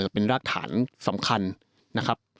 จะเป็นรากฐานสำคัญนะครับ